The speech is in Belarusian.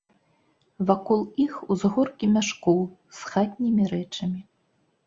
Вакол іх узгоркі мяшкоў з хатнімі рэчамі.